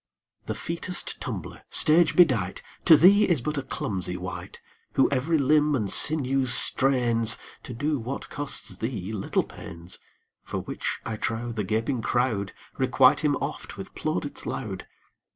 The featest tumbler, stage bedight, To thee is but a clumsy wight, Who every limb and sinew strains To do what costs thee little pains; For which, I trow, the gaping crowd Requite him oft with plaudits loud.